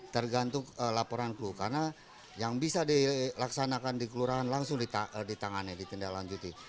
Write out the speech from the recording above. tergantung laporan clue karena yang bisa dilaksanakan di kelurahan langsung ditangani ditindaklanjuti